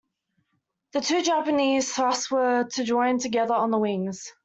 The two Japanese thrusts were to join together on the wings.